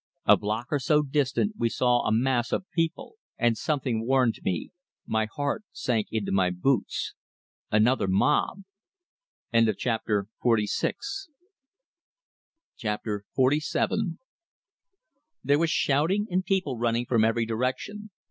A block or so distant we saw a mass of people, and something warned me my heart sank into my boots. Another mob! XLVII There was shouting, and people running from every direction.